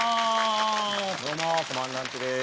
どうもコマンダンテです。